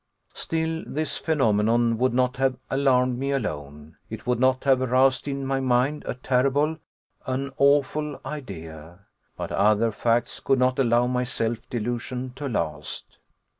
Still this phenomenon would not have alarmed me alone; it would not have aroused in my mind a terrible, an awful idea. But other facts could not allow my self delusion to last.